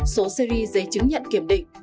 số series giấy chứng nhận kiểm định